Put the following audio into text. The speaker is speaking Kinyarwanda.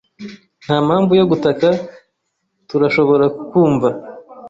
Nta mpamvu yo gutaka. Turashobora kukumva.